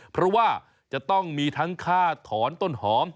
เพราะว่าจะต้องมีทั้งค่าถอนต้นหอม